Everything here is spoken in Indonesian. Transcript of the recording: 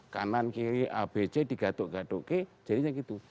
kanan kiri a b c digatuk gadok g jadinya gitu